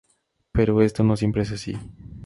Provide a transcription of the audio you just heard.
Pero esto no siempre es así.